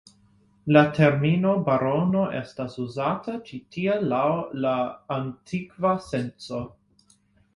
La termino barono estas uzata ĉi-tie laŭ la antikva senco.